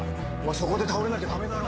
そこで倒れなきゃダメだろ。